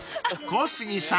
［小杉さん